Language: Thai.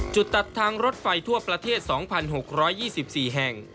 จุดตัดทางรถไฟทั่วประเทศ๒๖๒๔แห่ง